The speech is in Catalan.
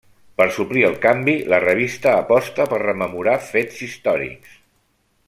Per suplir el canvi, la revista aposta per rememorar fets històrics.